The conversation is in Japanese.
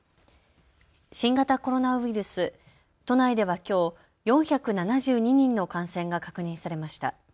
新型コロナウイルス、都内ではきょう４７２人の感染が確認されました。